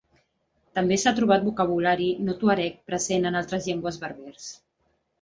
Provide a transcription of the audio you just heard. També s'ha trobat vocabulari no tuareg present en altres llengües berbers.